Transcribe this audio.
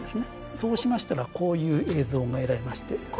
そうしましたらこういう映像が得られまして。